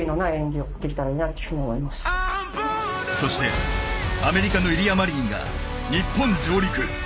そして、アメリカのイリア・マリニンが日本上陸。